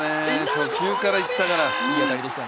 初球からいったから。